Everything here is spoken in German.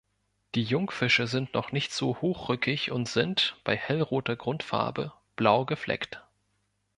Die Jungfische sind noch nicht so hochrückig und sind, bei hellroter Grundfarbe, blau gefleckt.